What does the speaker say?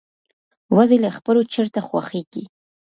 وزې له خپلو چرته خوښيږي